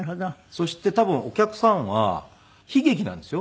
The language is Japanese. そして多分お客さんは悲劇なんですよ？